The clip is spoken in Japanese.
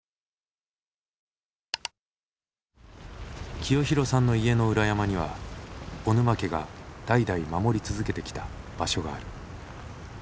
清弘さんの家の裏山には小沼家が代々守り続けてきた場所がある。